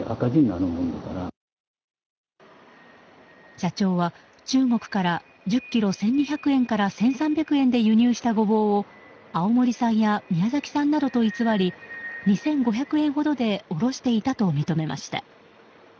社長は、中国から１０ｋｇ１２００円から１３００円で輸入したゴボウを青森産や宮崎産などと偽り２５００円ほどで卸していたと認めました。